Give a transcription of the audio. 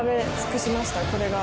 これが。